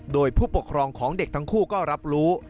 โดยผู้ปกครองของเด็กทั้งคู่ก็รับรู้